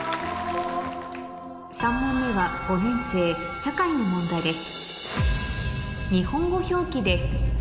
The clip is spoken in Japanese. ３問目は５年生社会の問題です